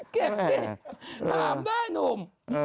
เก็บสิถามได้หนุ่ม